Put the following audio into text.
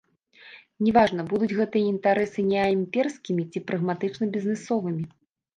Не важна, будуць гэтыя інтарэсы неаімперскімі ці прагматычна-бізнесовымі.